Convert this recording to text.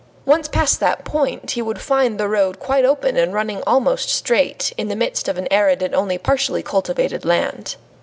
Once past that point, he would find the road quite open and running almost straight, in the midst of arid and only partially cultivated land.